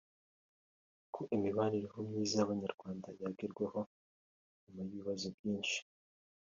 uko imibanire myiza y’Abanyarwanda yagerwaho nyuma y’ibibazo byinshi